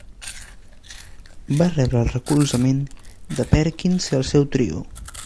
Va rebre el recolzament de Perkins i el seu trio.